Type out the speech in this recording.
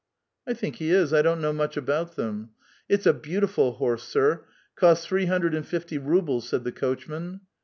" I think he is ; I don't know much about them." "It's a beautiful horse, sir; cost three hundred and fifty rubles," said the coachman.